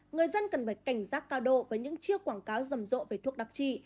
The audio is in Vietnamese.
người dân cần phải cảnh giác cao độ với những chiêu quảng cáo rầm rộ về thuốc đặc trị